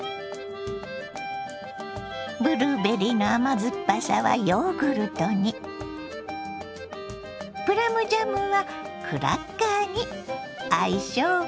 ブルーベリーの甘酸っぱさはヨーグルトにプラムジャムはクラッカーに相性バツグン！